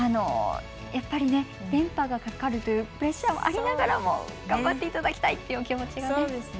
やっぱり、連覇がかかるというプレッシャーもありながらも頑張っていただきたいというお気持ちが。